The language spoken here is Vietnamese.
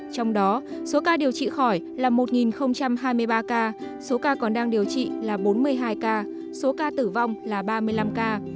trong đó số ca điều trị khỏi là một hai mươi ba ca số ca còn đang điều trị là bốn mươi hai ca số ca tử vong là ba mươi năm ca